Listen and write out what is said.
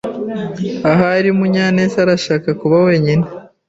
Ahari Munyanezarashaka kuba wenyine.